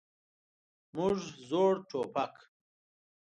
موږ زوړ ټوپک.